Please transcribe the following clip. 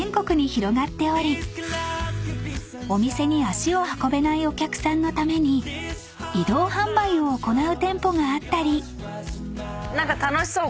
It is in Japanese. ［お店に足を運べないお客さんのために移動販売を行う店舗があったり］